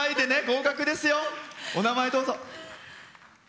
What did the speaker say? お名前、どうぞ。